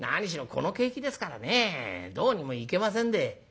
この景気ですからねどうにもいけませんで」。